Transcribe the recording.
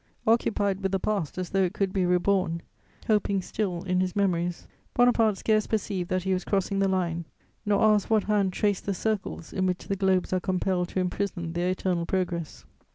Occupied with the past as though it could be reborn, hoping still in his memories, Bonaparte scarce perceived that he was crossing the line, nor asked what hand traced the circles in which the globes are compelled to imprison their eternal progress.